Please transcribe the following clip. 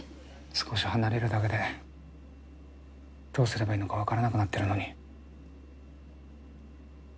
少し離れるだけでどうすればいいのか分からなくなってるのに。